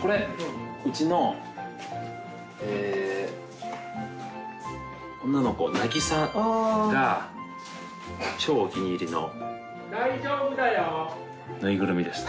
これうちのえ女の子なぎさが超お気に入りのぬいぐるみです